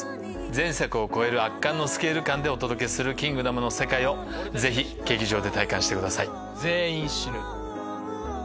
前作を超える圧巻のスケール感でお届けする『キングダム』の世界をぜひ劇場で体感してください。